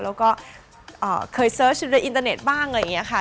แล้วก็เคยเสิร์ชอยู่ในอินเตอร์เน็ตบ้างอะไรอย่างนี้ค่ะ